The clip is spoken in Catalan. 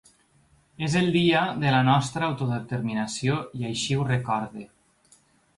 És el dia de la nostra autodeterminació i així ho recordo.